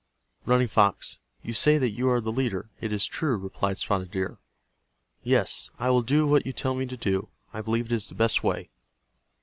"Running Fox, you say that you are the leader, it is true," replied Spotted Deer. "Yes, I will do what you tell me to do. I believe it is the best way."